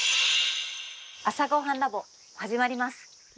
「朝ごはんＬａｂ．」始まります。